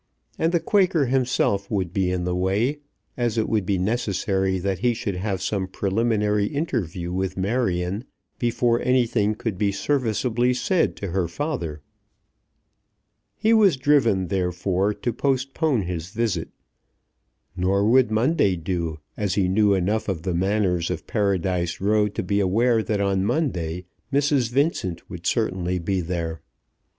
And the Quaker himself would be in the way, as it would be necessary that he should have some preliminary interview with Marion before anything could be serviceably said to her father. He was driven, therefore, to postpone his visit. Nor would Monday do, as he knew enough of the manners of Paradise Row to be aware that on Monday Mrs. Vincent would certainly be there.